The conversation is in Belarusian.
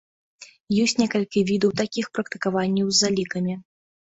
Ёсць некалькі відаў такіх практыкаванняў з залікамі.